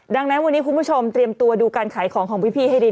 ดังนั้นวันนี้คุณผู้ชมเตรียมตัวดูการขายของของพี่ให้ดี